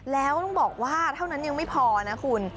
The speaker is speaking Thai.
แล้วต้องบอกว่าเท่านั้นยังไม่พอนะคุณ